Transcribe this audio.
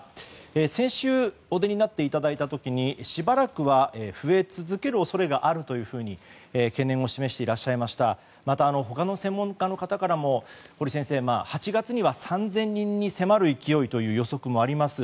先週、お出になっていただいた時にしばらくは増え続ける恐れがあると懸念を示していらっしゃいましたまた、他の専門家の方からも堀先生８月には３０００人に迫る勢いという予測もあります。